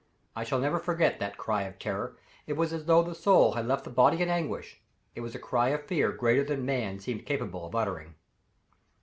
I shall never forget that cry of terror. It was as though the soul had left the body in anguish it was a cry of fear greater than man seemed capable of uttering.